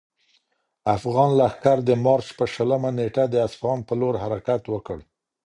افغان لښکر د مارچ په شلمه نېټه د اصفهان پر لور حرکت وکړ.